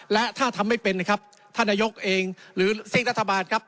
และถ้าทำไม่เป็นนะครับท่านนายกเองหรือซีกรัฐบาลครับ